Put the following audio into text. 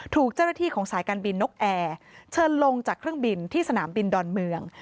ถูกเจ้าหน้าที่ของสายการบินนกแอร์เชิญลงจากเครื่องบินที่สนามบินดอนเมือง